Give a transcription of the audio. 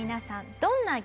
どんな激